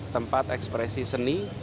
jadi tempat ekspresi seni